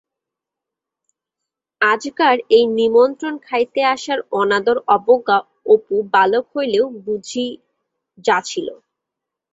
আজকার এই নিমন্ত্রণ খাইতে আসার অনাদর, অবজ্ঞা, অপু বালক হইলেও বুঝিযাছিল।